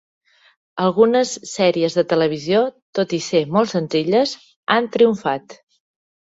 Algunes sèries de televisió, tot i ser molt senzilles, han triomfat.